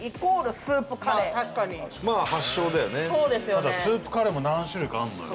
ただスープカレーも何種類かあるのよ。